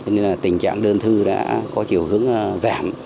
nên là tình trạng đơn thư đã có chiều hướng giảm